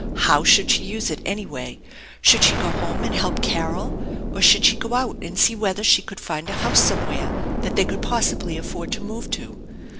How should she use it, anyway ? Should she go home and help Carol? Or should she go out and see whether she could find a house somewhere that they could possibly afford to move to?